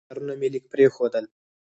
کور کارونه مې لږ پرېښودل.